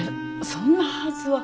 そんなはずは。